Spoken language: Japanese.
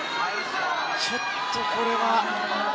ちょっとこれは。